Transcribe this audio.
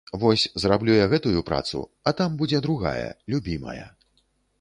Вось зраблю я гэтую працу, а там будзе другая, любімая.